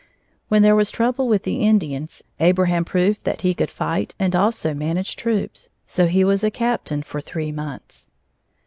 When there was trouble with the Indians, Abraham proved that he could fight and also manage troops, so he was a captain for three months.